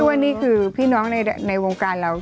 ว่านี่คือพี่น้องในวงการเรา